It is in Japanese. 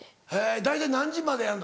大体何時までやるの？